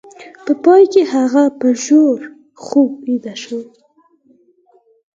په پای کې هغه په ژور خوب ویده شو